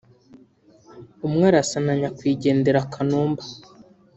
umwe arasa na nyakwigendera Kanumba